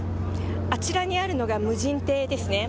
あちらにあるのが無人艇ですね。